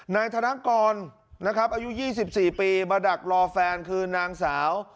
นายธนกรนะครับอายุ๒๔ปีมาดักรอแฟนคือนางสาว